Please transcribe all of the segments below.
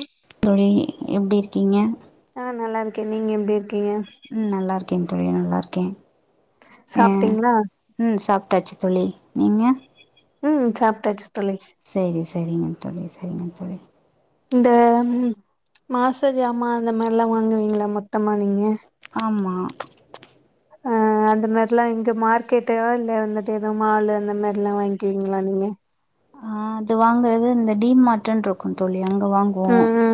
ம் தோழி எப்பிடி இருக்கீங்க ஆ நல்லா இருக்கே நீங்க எப்பிடி இருக்கீங்க ம் நல்லா இருக்கேன் தோழி நல்லா இருக்கே ஆ சாப்ட்டீங்களா ம் சாப்டாச்சு தோழி நீங்க ம் சாப்ட்டாச்சு தோழி செரி செரிங்க தோழி செரிங்க தோழி இந்த மாச ஜாமான் அந்த மாரியெல்லா வாங்குவீங்களா மொத்தமா நீங்க ஆமா ஆ அ அந்த மாரிலா இங்க மார்க்கெட்டு ஆ இல்ல வந்துட்டு எதோ மால் லு அந்த மாரிலா வாங்கீவீங்களா நீங்க ஆ அது வாங்கறது இந்த டீ மார்ட்ன்னு இருக் கூ தோழி அங்க வாங்குவோ ம் ம்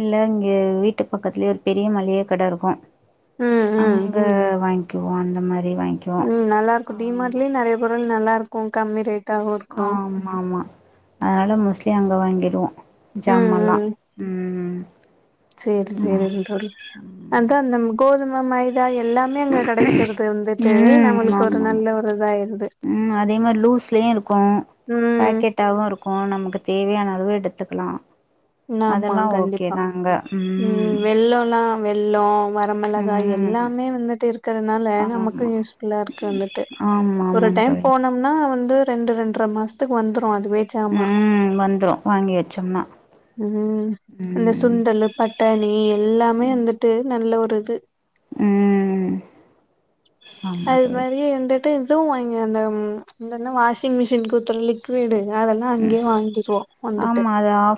இல்ல இங்க வீட்டு பக்கத்துலெயே ஒரு பெரிய மளிக கட இருக்கு ம் ம் அங்க வாங்க்கிவோ அந்த மாரி வாங்க்கி ம் நல்லா இருக்கு டிமார்ட்லயு நறையா பொருள் நல்லா இருக்கு கம்மி ரேட்டாகவு இருக் ஆமா ஆமா அதனால மோஸ்ட்லி அங்க வாங்கீர்வோ ம் ஜாமா லா ம் ம் ம் ம் ம் சேரி சேரிங் தோழி அதா நம் கோதும மைதா எல்லா மே அங்க கெடைச்சுறுது வந்துட்டு ம் ஆமா நம்மளுக்கு ஒரு ஆமா நல்ல ஒரு இதா ஆயிருது ம் அதே மாரி லூஸ்லெயு இருக்கு ம் பேக்கெட்டாவு இரு க்கு நமக்கு தேவையான அளவு எடுத்துக்கலா ஆமா அதெல்லா ஓகே கண்டிப்பா தாங்க ம் வெள்ளொ எல்லா வெள்ளோ ம வரமிளகாய் ம் எல்லாமே வந்துட்டு இருக்கறனால நமக்கு ஆமா யூஸ் ஃபுல்லா இருக்கு வந்துட்டு ஆமா ஒரு ஆமாங் டைம் தோழி போன நா வந்து ரெண்டு ரெண்டர மாச்த்துக்கு வந்துரு அதுவே வந்துரு சாமா ம் வந்துரு வாங்கி வெச்சோம்னா ம் இந்த சுண்டலு பட்டாணி எல்லாமே வந்துட்டு நல்ல ஒரு இது ம் ஆமா அது தோழி மாரியே வந்துட்டு இதுவு வாங்கிற் அந்த இந்த என்ன வாஷிங் மிஷின்க்கு ஊத்ற லிக் விடு அதெல்லா அங்கெயே வாங்கிற்வோ வந்துட்டு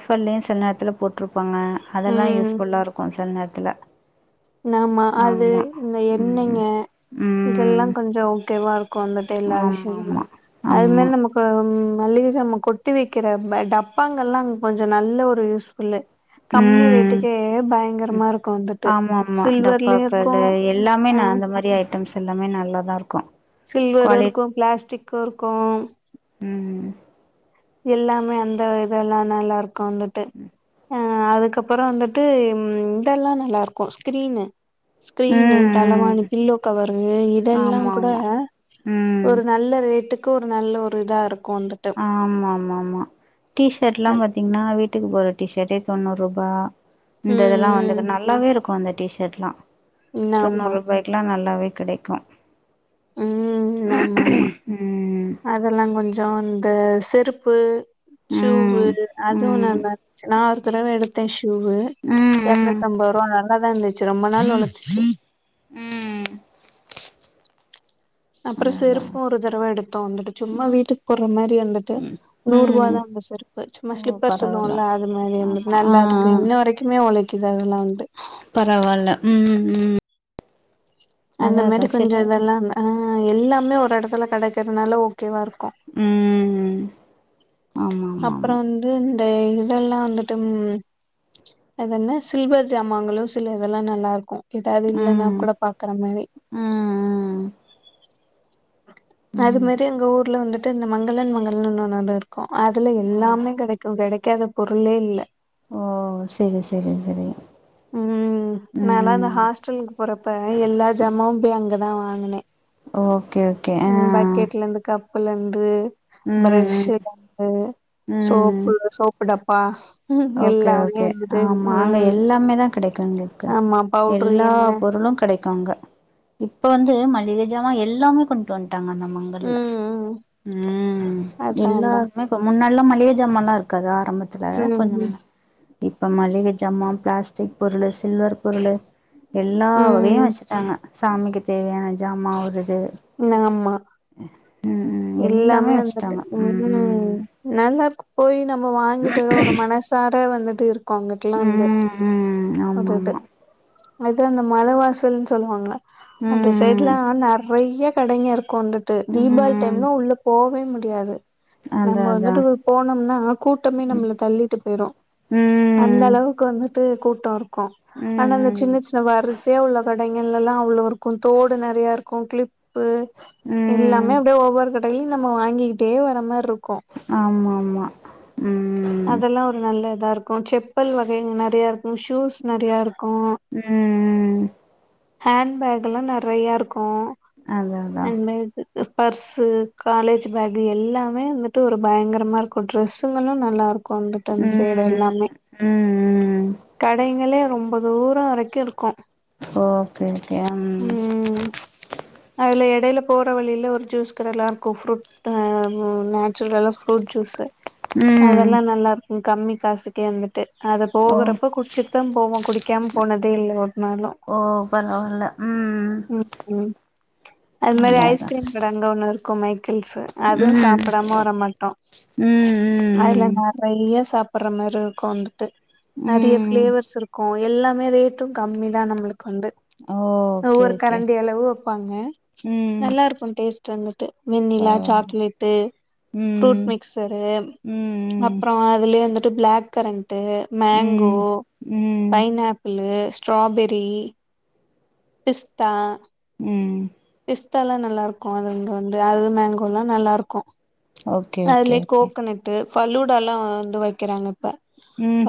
ப்பல்லெயு சில நேரத்துல போட்ருப்பாங்க அதெல்லா ம் யூஸ்ஃபுல்லா இருக்கு சில நேரத்துல நாமா அது ஆமா இந்த ம் எண்ணெங்க ம் இதெல்லா கொஞ்சோ ஓகேவா இருக்கு வந்துட்டு எல்லா ஆமா விஷ்யங்களு ஆமா அது ஆமா மாரி நம்ம இப்போ மளிக ஜாமா கொட்டி வெக்கெற ப டப்பாங்களெல்லா அங் கொஞ்சொ நல்ல ஒரு யூஸ்ஃபுல்லு கம்மி ம் ரேட்டுக்கே பயங்கரமா இருக்கு வந்துட்டு ஆமா சில்வர்லயு இருக்கு டப்பாக்களு எல்லாமே ஆ ந அந்த மாரி ஐட்டம்ஸ் எல்லாமே நல்லாதா இருக்கு சில்வரு குவாலிட் இருக்கு பிளாஸ்டிக்கு இருக்கு ம் எல்லாமே அந்த இதெல்லா நல்லாருக்கு வந்துட்டு அ அதுக்கப்புற வந்துட்டு இதல்லா நல்லாருக்கு ஸ்கிரீனு ஸ்கிரீனு ம் தலைவாணி ம் பில்லோ கவரு இதெல்லா ஆமா குட ஆமா ம் ஒரு நல்ல ரேட்டுக்கு ஒரு நல்ல ஒரு இதா இருக்கு வந்துட்டு ஆமாமாமா டீஷர்ட்லா பாத்தீஙன்னா வீட்டுக்கு போற டீ ஷர்ட்டே தொண்ணூறுபா இந்த இதல்லா ம் வந்துகு நல்லாவே இருக்கு அந்த டீஷர்ட்லா ம் ஆமா தொண்ணூறுபாய்க் க்லா நல்லாவே கிடைக்கு ம் நம்மம்மா ம் அதெல்லா கொஞ்சோ இந்த செருப்பு ஷீவு ம் அதுவு ம் நல்லார்ந்துச்சு நா ஒரு தடவ எடுத்தே ஷீவு ம் ம் எர்நூத் ஐம்பதுருவா நல்லாதா இர்ந்துச்சு ரொம்ப நாள் ஒழச்சுச்சு ம் அப்புற அதா அதா செருப்பு ஒரு தரவ எடுத்தோ வந்துட்டு சும்மா வீட்டுக் போற்ற மரி வந்துட்டு ம் ம் நூறுவாதா அந்த செருப்பு ஓ சும்மா ஸ்லிப்பர் பரவால்ல சொல்லுவோல்ல அது மாரி வந்து ஆமா ஆ நல்லாருக்கு ஆ இன்ன வரக் கிமே ஒழைக்குது அதல்லா வந்ட்டு பரவால்ல ம் ம் அந்த அதா அதா மாரி கொஞ்ச சில இதல்லா அ எல்லாமே ஒரு எடத்துல கெடைக்கற்துனால ஓகேவா இருக்கு ம் ஆமா ஆமா அப்ற ஆமா வந்து இந்த இதல்லா வந்துட்டு ம் அதென்ன சில்வர் ஜாமங்களு சில இதெல்லா நல்லாருக்கு எதாது இல்லனா ம் கூட பாக்குற மரி ம் அதுமரி எங்க ஊர்ல் வந்துட்டு இந்த மங்களன் மங்களன் [unintelligible] அதுல எல்லாமே கடைக்கு கடைக்காத பொருளே இல்ல ஓ செரி செரி செரிங்க ம் சொல்லுங்கு போறப்ப எல்லா ஜாமாவு போய் அங்கதா வாங்குனே ஓகே ஓகே ஆ ம் பட்க்கேட்லேந்து கப் புல்லந்து ம் ம் ப்ரஷ்ஷுலந்து ம் சோப்பு சோப்பு டப்பா ஹம், ஓகே எல்லாமே ஓகே வந்துட்டு ஆமா அங்க ம் எல்லாமே தா கடைக்கு எங்ளுக்கு ஆமா பவுட்ரு எல்லா எண்ண பொருளு கடைக் கோங்ங்க இப்ப வந்து மல்லிக ஜாம எல்லாமே கொண்டு வந்ட்டாங்க அந்த ம வர்ல ம் ம் ம் அதா அதா எல்லாருமே இப்ப முன்னால்லா மள்ளிக ஜாமாலா இருக்காதா ஆரம்பத் துல ம் இப்ப மள்ளிக ஜமா பிளாஸ் சிக் பொருளு சில்வர் பொருளு எல்லா வகையு ம் வச்சுட்டாங்க சாமிக்கி தேவையான ஜாமா வுது நாமா ம் ம் எல்லாமே வந்துட்டு வச்சுட்டாங்க ம் நல்லார்க்கு போயி நம்ம வாங்கிட்டு வறோ ஒரு மனசார வந்துட்டு இருக்கோ அங்குட்லா வந்து ம் ம் ம் ஆமா ஒரர் ஆமா இது அது அந்த மலை வாசல்ன் சொல்லுவாங்க அந்த சைட்லா நறைய கடைங்க இருக் கோ வந்துட்டு தீபாவ்ளி ம் ம் டைம்லா உள்ள போவே முடியாது நம்ம அதா அதா வந்துட்டு போனம்னா கூட்டமே நம்ள தள்ளிட்டு பேய்ரு ம் அந்தளவு வுக்கு வந்துட்டு கூட்டோ இருக்கு ஆனா அந்த ம் ம் சின்ன சின்ன வருஸ் சேவ் உள்ள கடைங்களல்லா அவ்ளோருக்கு தோடு நெறையா இருக்கு க்ளிப்பு எல்லாமே ம் அப்டே ஒவ்வொர் கடைய்லியு நம்ம வாங்கிக்கிட்டே வர மார் ருக்கு ஆமாம்மா அதெல்லா ஒரு நல்ல இதா இருக்கு ச்செப்பல் வகைங் நறையா இருக்கு ஷூஸ் நறையா இருக்கு ம் ம் ஹேண் பேக்கல்லா நறையாருக்கு அதா அதா ஹேண் பேக் உஉ பர்ஸு காலேஜ்ஜு பேக்கு எல்லாமே வந்துட்டு ஒரு பய்ங்கரமா இருக்கு ட்ரெஸ்ஸுங்களு நல்லார் கொண்டுட்டன் சேட் ம் எல்லாமே ம் கடைங்களே ரொம்ப தூரோரிக்கி இருக்கு ஓகே ஓகே யம் ம் அதுல எடைய்ல போற வழில ஒரு ஜூஸ் கடேல்லா இருக்கு ஃப்ரூட் ஆ மூ நேச்சுரலல்லா ஃப்ரூட் ஜூஸ்ஸு ம் அதெல்லா நல்லார்க்கு கம்மி காசுக்கே வந்துட்டே அத ஓ போகுறப்ப குட் ச்சுத்தம் போவு குடிக்காம் போனதே இல்லோட் ஓ பரவால்ல ம் ம் ம் அத் மாரி அதா அதா ஐஸ்க்ரீம் கட அங்க ஒன்னு இருக்கு மைக்கள்ஸு அதுவு ம் சாப்படாம வரமாட்டோ ம் அத்ல ம் நறையா சாப்பர்ற மார் இருக்கு வந்துட்டு நறிய ம் ம் ஃப்ளேவர்ஸ் இருக்கு ஓ எல்லாமே ரேட்டு கம்மிதா நம்ளுக் வந்து ஓ ஒவ்வொரு கரண்டி அளவு வெப்பாங்க ம் நல்லார்க்கு டேஸ் ட்ருந்துட்டு வெண்ணிலா பரவால்ல சாக்லேட்டு ஃப்ரூட் ம் மிக் சரேம் ம் ம் அப்றோ அதுலே வந்துட்டு ப்ளாக் கரண்ட்டு மேங்கோ ம் ம் பைனாப்புள்ளு ஸ்ட்ராபெரி பிஸ்த்தா ம் பிஸ்த்தாலாமக்ஷ நல்லார்க்கு அதுங்கு வந்து அது மேங்கோல்லா நல்லார்க்கு ஓகே ஓகே அதுலே ஓகே கோக்கனட்டு ஃபலூடாலா து வைக்கறாங்க ப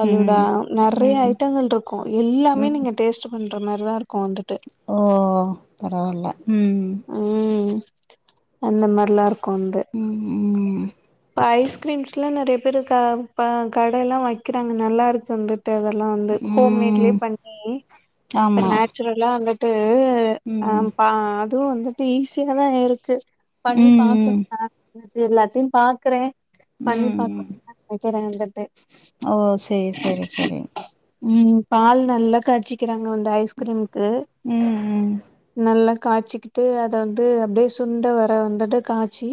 பள்ளூடா நர்றையா ம் ஐட்டங்கள் ருக்கு எல்லாமே நீங்க டேஸ்ட்டுப் பண்ற மார் தா இருக்கு வந்துட்டு ஓஓஓ பரவால்ல ம் அம் அந்த மார்லா இருக்கோ வந்து ம் அ ஐஸ்க்ரீம்ஸ்ல நறைய் பேரு காம் பா கடே எல்லா வக்கிறாங்க நல்லாருக் வந்து டெவர்லா வந்து ம் ஹோம் மேட்லே ம் பண்ணி ஆமா நேச்சுரல்லா அந்தக் டு எ ம் அம் பா அதுவு வந்துட்டு ஈஸியா தா இருக் க்கு பண்ணி ம் பாக்கோ ம் ஏ நது எல்லாத்யு பாக்குறே பண்ணி ம் பாக்கோ ம் வெக்கரே வந்துட்டு ஓ செய் சரி சரி ம் பால் நல்லா காச்சிக்கிறாங்க அந்த ஐஸ்க்ரீம்க்கு ம் ம் நல்லா காச்சிக்கிட்டு அத வந்து அப்டே சுண்ட வர வந்துட்டு காச்சி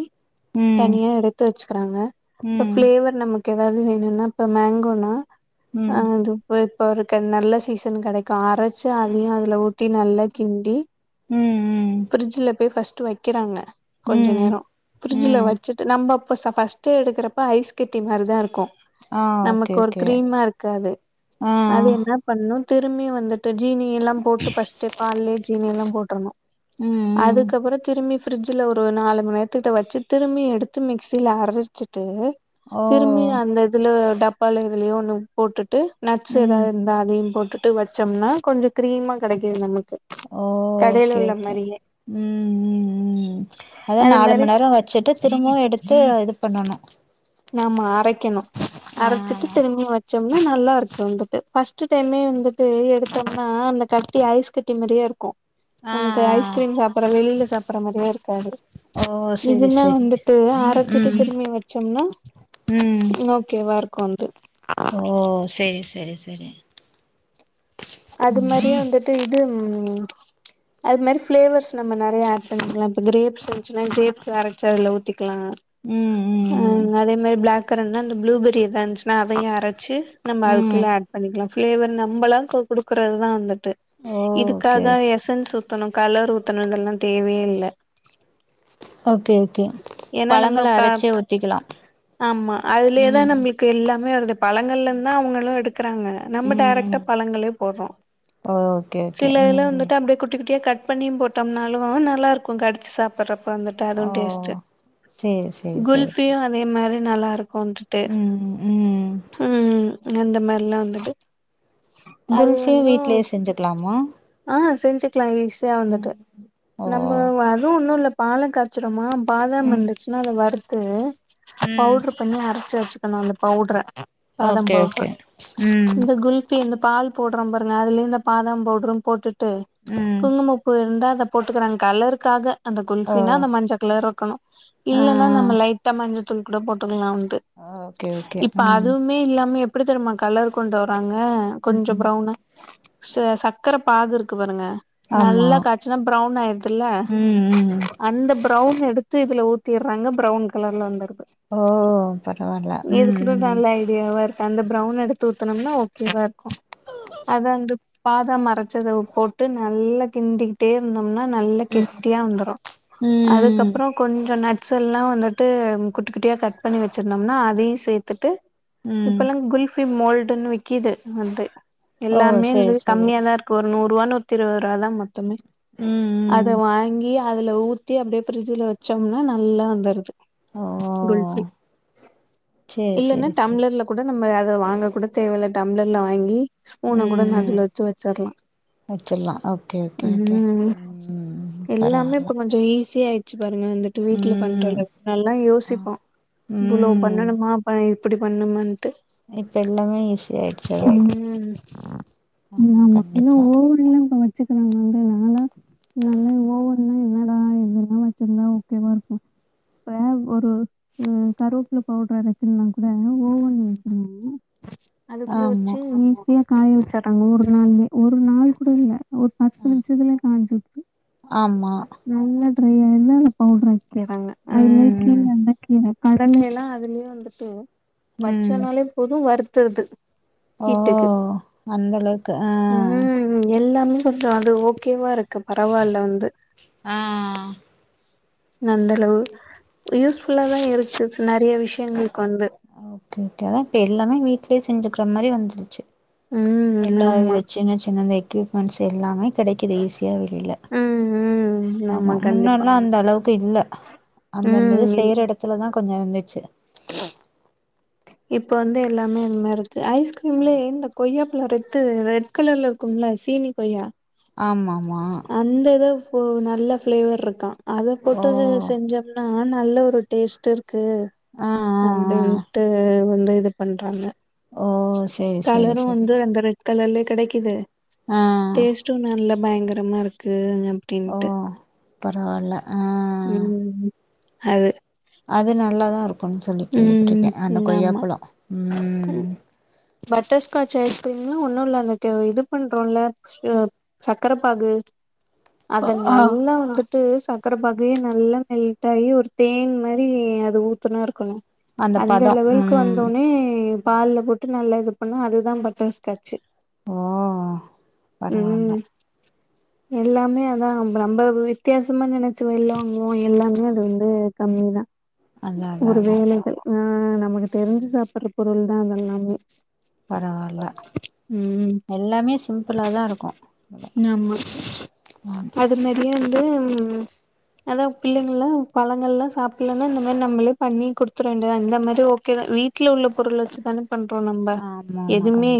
ம் தனியா எடுத்து வச்சுக்குறாங்க ப்ப ம் ஃப்ளேவர் நமக்கு ஏதாவ்து வேணுன்னா இப்ப மேங்கோனா ம் அ ம் அது இப்ப இப்ப அவருக்கு நல்ல சீசன் கெடைக்கு அரைச்சு அதயு அதுல ஊத் தி நல்லா கிண்டி உம் உம் ஃபிரிட்ஜில போய் ஃபஸ்ட் வைக்கிறாங்க ம் கொஞ்ச ம் நேரோ ஃப்ரிட்ஜில ம் வச்சிட்டு நம்ம அப்ப பஃஸ்ட் டு எடுக்கிறப்ப ஐஸ் கட்டி மாதிரிதா இருக்கும் ஆ ஓகே நமக்கு ஒரு ஓகே க்ரீமா இருக்காது ஆ அது என்ன பண்ணும் திரும்பி வந்துட்டு ஜீனியல்லாம் போட்டு ஃபஸ்ட் பால்லே ஜீனி எல்லாம் போட்டர்ணும் ம் ம் அதுக்கப்புற திரும்பி ப்ரிட்ஜில ஒரு நாலு மணி நேரத்துட்ட வச்சு திரும்பி எடுத்து மிக்சியில அரைச்சிட்டு ஓ திரும்பியு அந்த இதுல டப்பால எதுலயோ ஒன்னு போட்டுட்டு நட்ஸ் ம் எதாவது இருந்தா அதையு போட்டுட்டு வச்சோம்னா கொஞ்சோ க்ரீமா கெடைக்கு நமக்கு ஓ கடையில ஓகே உள்ள ஓகே மாரியே உம் உம் உம் அத அது நாலு மாரி மணி நேரோ வச்சுட்டு திரும்பவு எடுத்து இது பண்ணணும் நாம்ம அரைக்கணும் ஆ அரைச்சிட்டு திரும்ப வச்சோம்னா நல்லா இருக்கு வந்துட்டு ஃபஸ்ட் டைமே வந்துட்டு எடுத்தோம்னா அந்த கட்டி ஐஸ் கட்டி மாதிரியா இருக்கும் ஆ ஆ நமக்கு ஐஸ்கிரீம் சாப்பிடுற வெளியில சாப்பிற மாதிரியே இருக்காது ஓ செரி இதுன்னா செரி வந்துட்டு அரைச்சிட்டு ம் திரும்பி வச்சோம்னா ம் ஓகேவா இருக்கும் வந்து ஓ சேரி சேரி சேரி அது மாரியே வந்துட்டு இது அது மாரி ப்ளேவர்ஸ் நம்ம நறைய ஆட் பண்ணிக்கலா இப்ப கிரேப்ஸ் இருந்துச்சுனா கிரேப்ஸ் அரைச்சு அதுல ஊத்தி க்லா ம் ம் அதே மாரி பிளாக் கரன்ட்னா அந்த ப்ளூபெரி எதா இருந்துச்சுன்னா அதையு அரச்சு நம்ம ம் அதுக்குள்ள ம் ஆட் பண்ணிக்கலா பிளேவர் நம்மளா குடுக்குறதுதா வந்துட்டு ஓ ஓகே இதுக்காக எசன்ஸ் ஊத்தணும் கலர் ஊத்தணுன்றதெல்லா தேவயே இல்ல ஓகே ஓகே ஏன்னா நம்ம பழங்கள ப்பா அரைச்சே ஊத்திக்கலா ஆமா அதுலயேதா ம் நம்ளுக்கு எல்லாமே வருது பழங்கள்ல இருந்தா அவங்களு எடுக்கறாங்க நம்ம ம் டைரக்ட்டா ம் பழங்களே போட்றோ ஓகே ஓகே சில இதுல ம் வந்துட்டு அப்டியே குட்டி குட்டியா கட் பண்ணியு போட்டோம்னாலும் நல்லா இருக்கும் கடிச்சு சாப்பிடறப்ப வந்துட்டு ஓ அதுவு டேஸ்ட்டு சேரி சேரி சேரி குல்ஃபியு சேரி அதே மாதிரி நல்லா இருக்கும் வந்துட்டு ம் ம் ம் அந்த மாரில்லா வந்துட்டு அது குல்ஃபியு வந்து வீட்லயே செஞ்சுக்கலாமா ஆ செஞ்சுக்கலா ஈஸியா வந்துட்டு ஓ நம்ம வரு ஒன்னும் இல்ல பால காய்ச்சிறோமா பாதாம் ம் இருந்துச்சுன்னா அத வறுத்து ம் பவுடரு பண்ணி அரைச்ச வச்சிக்கனு அந்த பவுடர பாதாம் ஓகே பவுடர ஓகே ம் இந்த குல் சி இந்த பால் போடுறோ பாருங்க அதுலயே இந்த பாதாம் பவுடரும் போட்டுட்டு ம் குங்கும பூ இருந்தா அத போட்டுக்கிறாங்க கலருக்காக அந்த ஓ குல்ஃபின்னா அந்த மஞ்சள் கலர் இருக்கணும் ஆ இல்லன்னா நம்ம லைட்டா மஞ்சள் தூள் கூட போட்டுக்கலா [unintelligible] ஆ ஓகே ஓகே இப்ப ம் அதுவுமே இல்லாம எப்டி தெரியுமா கலர் கொண்டு வர்றாங்க கொஞ்ச ம் ப்ரௌனு ச சக்கரப்பாகு இருக்கு பாருங்க ஆமா நல்லா காய்ச்சுனா ப்ரௌன் ஆயிருதுல ம் ம் அந்த ப்ரவுன் எடுத்து இதுல ஊத்திறாங்க ப்ரவுன் கலர்ல வந்துடுது ஓ பரவாயில்ல ம் ம் இரு அந்த பிரவுன் எடுத்து ஊத்தனம்னா ஓகேவா இருக்கும் அத அந்த பாதாம அரச்சத போட்டு நல்லா கிண்டி தேட்ணமோனா நல்ல ம் கெட்டியா வந்தூறோ ம் ம் ம். அதுக்கப்புறோ கொஞ்சொ நட்ஸ் எல்லா வந்துட்டு குட்டி குட்டியா கட் பண்ணி வச்சிருந்தோம்னா அதையூ சேர்த்துட்டு ம். இப்பல்லா குல்ஃபி மோல்டுன்னு விக்கிது வந்து ஓ எல்லாமே சேரி வந்து சேரி கம்மியாதா இருக் ஒரு நூறுரூபா நூத்தி இருபது ரூபாதா மொத்தமே ம் அத ம் வாங்கி அதுல ஊத்தி அப்படியே பிஃரிஜ்ல வச்சோம்னா நல்லா வந்துருது ஓ குல்ஃபி சேரி இல்லன்னா சேரி சேரி டம்ளர்ல கூட நம்ம அத வாங்க கூட தேவல்ல டம்ளர்ல வாங்கி ஸ்பூன கூட நடுவ்ல வெச்சி வெச்சிட்லா வெச்சிட்லா அப் ம் எல்லாமே பரவால்ல இப்ப கொஞ்சொ ஈஸியா ஆயிடுச்சு பாருங்க வந்துட்டு வீட்ல ம் பண்றது நல்லா ஆ யோசிப்போ இவ்ளோ ம் பண்ணணுமா பா ஏ இப்படி பண்ணூமான்ட்டு இப்பெல்லாமே ஈசியாடிச்சி எல்லா ம் ஆமா கண்டிப்ப [unintelligible] ஓவன்லா என்னட ஆ இதெல்லா வச்சிருந்தா ஓகே வா [unintelligible] ஒரு ம் கருப்பு பவுடர் அடிக் [unintelligible] அதுக்குள்ள ஆமா வெச்சு ஈஸியா காய [unintelligible] ஒரு நாள் ஒரு நாள் கூட இல்ல ஒரு பத்து ஆ நிமிஷத்துல காஞ்சுச்ச ஆமா நல்லா ட்ரை [unintelligible] பவுடர் ஆக்கிற்றாங்க அது ம் மாதிரி ம் [unintelligible] கடச் செலா அதுலயே எடுத்து ம் வச்சானால போதூ வருத்துடுது ஓ அந்தளவுக் ம் எல்லாமே சொல்றாங்க அது ஓகேவா இருக்கு பரவால்ல வந்து ஆ நல்லரூ யூஸ் ஃபுல்லா தா இருக்கு நெறய விஷயங்களுக்கு வந்து ஓகே ஓகே தெர்லேனா வீடலேயே செஞ்சுக்கிற மாதிரி வந்துருச்சு ம் எல்லா ஆமா வித சின்ன சின்ன அந்த எக்யூப்மெண்ட்ஸ் எல்லாமே கெடைக்குது ஈஸியா வெளியில ம் ம் ஆமா கண்டிப்பா முன்னட்லா அந்த அளவுக்கு இல்ல ம் அந்தந்தது இல் செயற ‌எடத் இத்துல தா கொஞ்சொ வந்துச்சு இப்ப வந்து எல்லாமே அந் மாதிரி இருக்கு ஐஸ்கிரீம்லயே இந்த கொய்யாப்புள ‌எட்த்து ரெட் ரெட் கலர்ல இருக்கும்ல்ல சீனி கொய்யா ஆமாமா அந்த இதூ போ நல்ல ஃளேவர் இருக்கா அதை ஓ போட்டு செஞ்ச னா நல்ல ஒரு டேஸ்ட் இருக்கு ஆ ஆ ஆ அப்படின்ட்டு வந்து இது பண்றாங்க ஓ சேரி சேரி கலரூ சேரி வந்து அந்த ரெட் கலர்லே கிடைக்குது ஆ டேஸ்ட்டூ நல்ல பயங்கரமா இருக்கு ஓ ன்ட்டு பரவால்ல ஆ ம் அது அது நல்லாதா இருக்கும்ன்னு சொல்லி கேள்விப்பட்ருக்கே ம் அந்த கொய்யாப்பழோ ம் பட்டர் ஸ்காட்ச் ஐஸ்கிரீம்ன்ன ஒன்னூ இல்ல அந்த இது பண்றோம்ல இது சக்கர பாகு ‌அத நல்லா வந்து விட்டு சக்கர பாகு நல்லா மெல்ட் ஆயி ஒரு தேன் மாரி அது ஊத்துனா இருக்கணோ அந்த பதோ லெவலுக்கு ம் வந்தவுட்னே பால்ல போட்டு நல்லா இது பண்ணா அதுதான் பட்டர் ஸ்காட்சு ஓ பரவால்ல ம் எல்லாமே அதா நம் நம்ப வித்யாசமா நெனச்சதெல்லா மோ எல்லாமே அது வந்து கம்மிதா அதா அதா ஒரு அதா வேலைகள் ஆ நமக்கு தெரிஞ்சு சாப்பட்ற பொருள் தா அதெல்லாமே பரவால்ல ம் எல்லாமே சிம்ப்பிளா தா இருக்கு அங்க ம் இங்க வந்து அதா பிள்ளைங்கல்லா பழங்கள்லா சாப்பிட்லன்னா இந்த மாரி நம்மளே பண்ணி குடுத்தற வேண்டியதா இந்த மாரி ஓ கே தா வீட்ல உள்ள பொருள் வெச்சு தான பண்றோ நம்ப ஆமா ஆமா எதுமே கண்